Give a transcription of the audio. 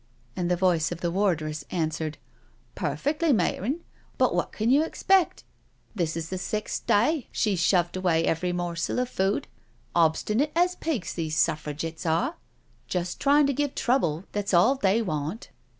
And the voice of the wardress answered: *• Perfectly, Matron— but what can you expect? This is the sixth day she's shoved away every morsel of food —obstinate as pigs these Suffragitts are— just tryin' to give trouble, that's all they want.